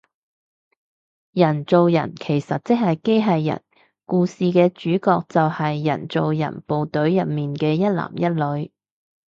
人造人其實即係機械人，故事嘅主角就係人造人部隊入面嘅一男一女